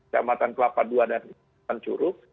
kamatan kelapa dua dan tanjuruk